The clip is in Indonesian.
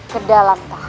ke dalam tahap